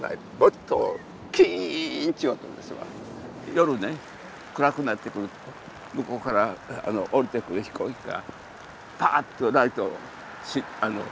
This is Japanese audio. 夜ね暗くなってくると向こうから降りてくる飛行機がパーッとライトつく。